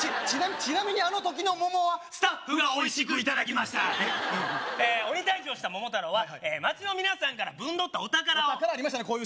ちなみにあの時の桃はスタッフがおいしくいただきましたえー鬼退治をした桃太郎は町の皆さんからぶんどったお宝をお宝ありましたね